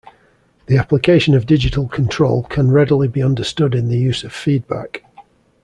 The application of digital control can readily be understood in the use of feedback.